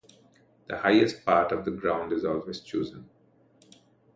The highest part of the ground is always chosen.